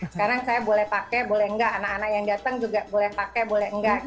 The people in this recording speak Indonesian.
sekarang saya boleh pakai boleh nggak anak anak yang datang juga boleh pakai boleh enggak